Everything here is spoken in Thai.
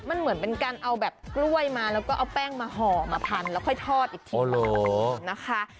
มันเหมือนเป็นการเอาแบบกล้วยมาแล้วก็เอาแป้งมาห่อมาพันแล้วค่อยทอดอีกทีนะคะ